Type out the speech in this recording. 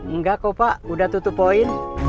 enggak kok pak udah tutup poin